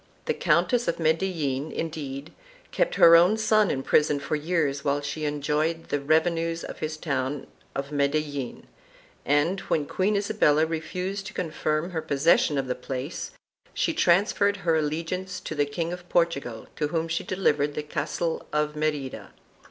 The Countess of Medellin, indeed, kept her own son in prison for years while she enjoyed the revenues of his town of Medellin and, when Queen Isabella refused to confirm her possession of the place, she transferred her allegiance to the King of Portugal to whom she delivered the castle of Merida.